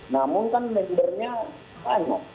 namun kan membernya banyak